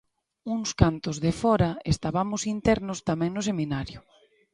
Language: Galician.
Uns cantos de fóra estabamos internos tamén no Seminario.